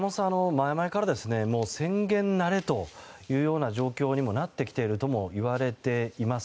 前々から宣言慣れという状況にもなってきているとも言われています。